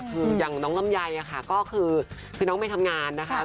คือยังน้องลำใยอ่ะคะก็คือคือน้องไปทำงานนะคะ